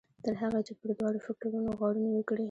تر هغې چې پر دواړو فکټورنو غور نه وي کړی.